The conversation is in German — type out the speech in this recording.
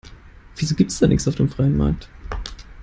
Wieso gibt's da nix auf dem freien Markt?